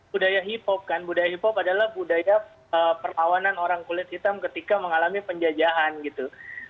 budaya hip hop kan budaya hip hop adalah budaya perlawanan orang kulit hitam ketika mengalami penjajahan gitu